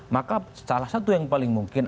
maka salah satu yang paling mungkin